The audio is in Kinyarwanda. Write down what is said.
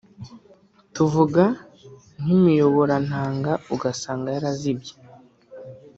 tuvuga nk’imiyoborantanga ugasanga yarazibye